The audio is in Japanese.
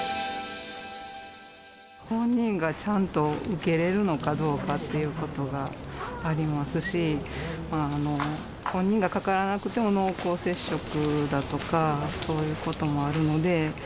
本人がちゃんと受けれるのかどうかっていうことがありますし、本人がかからなくても、濃厚接触だとかそういうこともあるので。